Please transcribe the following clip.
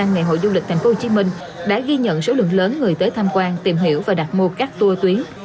ngày hội du lịch tp hcm đã ghi nhận số lượng lớn người tới tham quan tìm hiểu và đặt mua các tour tuyến